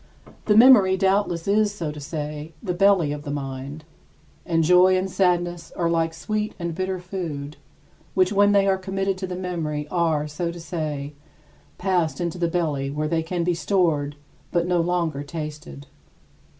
The memory doubtless is, so to say, the belly of the mind: and joy and sadness are like sweet and bitter food, which when they are committed to the memory are, so to say, passed into the belly where they can be stored but no longer tasted.